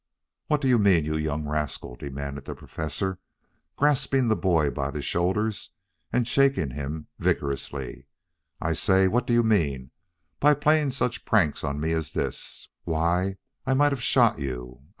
"What do you mean, you young rascal?" demanded the Professor, grasping the boy by the shoulders and shaking him vigorously. "I say, what do you mean by playing such pranks on me as this? Why, I might have shot you.